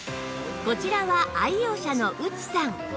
こちらは愛用者の内さん